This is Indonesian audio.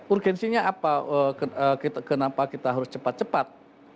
urgensinya apa kenapa kita harus cepat cepat